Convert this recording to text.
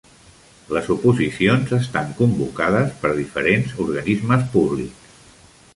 Les oposicions estan convocades per diferents organismes públics.